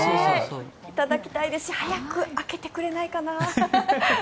いただきたいですし早く開けてくれないかな。